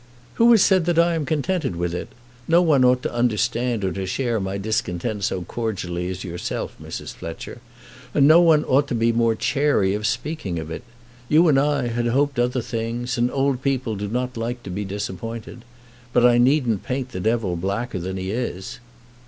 "Who has said that I am contented with it? No one ought to understand or to share my discontent so cordially as yourself, Mrs. Fletcher; and no one ought to be more chary of speaking of it. You and I had hoped other things, and old people do not like to be disappointed. But I needn't paint the devil blacker than he is."